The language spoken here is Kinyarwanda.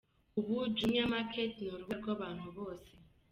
ubu Jumia Market ni urubuga rw’abantu bose.